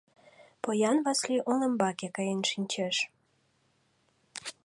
Поян Васлий олымбаке каен шинчеш.